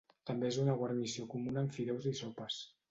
També és una guarnició comuna en fideus i sopes.